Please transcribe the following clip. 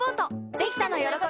できた！のよろこび